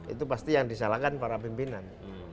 itu pasti yang disalahkan para pimpinan